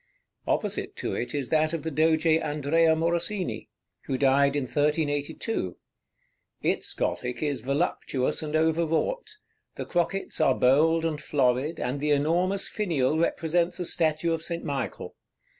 Opposite to it is that of the Doge Andrea Morosini, who died in 1382. Its Gothic is voluptuous, and over wrought; the crockets are bold and florid, and the enormous finial represents a statue of St. Michael.